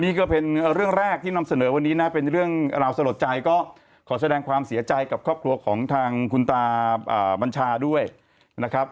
นี่ก็เป็นเรื่องแรกที่นำเสนอวันนี้นะเป็นเรื่องราวสลดใจก็ขอแสดงความเสียใจกับครอบครัวของทางคุณตามัญชาด้วยนะครับ